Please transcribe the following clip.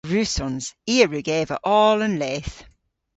Gwrussons. I a wrug eva oll an leth.